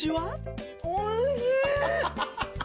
おいしい！